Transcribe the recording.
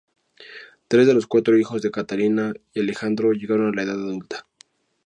Tres de los cuatro hijos de Catalina y Alejandro llegaron a la edad adulta.